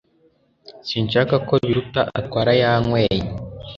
Sinshaka ko Biruta atwara Yanyweye